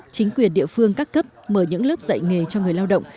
chính quyền địa phương các cấp mở những lớp dạy nghề cho người lao động